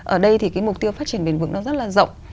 ở đây thì cái mục tiêu phát triển bền vững nó rất là rộng